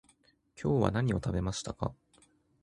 今日は何を食べましたか？